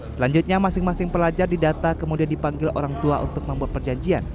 selanjutnya masing masing pelajar didata kemudian dipanggil orang tua untuk membuat perjanjian